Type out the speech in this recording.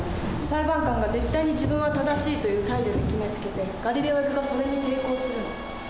裁判官が絶対に自分は正しいという態度で決めつけてガリレオ役がそれに抵抗するの。